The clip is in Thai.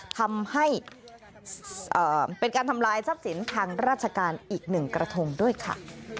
ทำให้เป็นการทำลายทรัพย์สินทางราชการอีกหนึ่งกระทงด้วยค่ะ